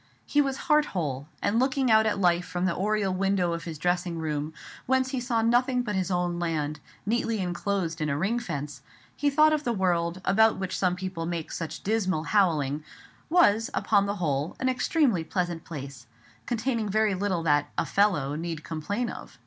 He was heart whole; and looking out at life from the oriel window of his dressing room, whence he saw nothing but his own land, neatly enclosed in a ring fence, he thought the world, about which some people made such dismal howling, was, upon the whole, an extremely pleasant place, containing very little that "a fellow" need complain of.